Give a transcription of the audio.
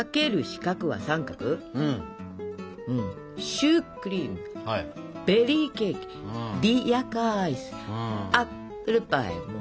「シュークリームベリーケーキリヤカーアイスアップルパイ」。